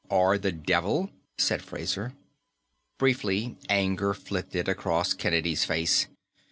"Or the devil," said Fraser. Briefly, anger flitted across Kennedy's face.